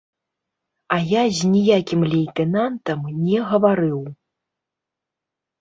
А я з ніякім лейтэнантам не гаварыў.